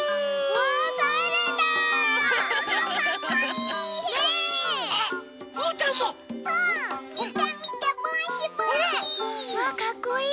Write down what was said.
わぁかっこいい！